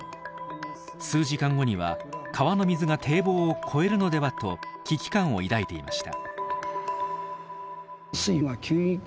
数時間後には川の水が堤防を越えるのではと危機感を抱いていました。